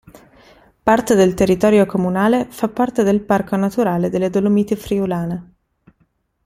Parte del territorio comunale fa parte del Parco naturale delle Dolomiti Friulane.